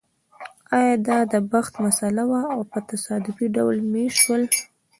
ایا دا د بخت مسئله وه او په تصادفي ډول مېشت شول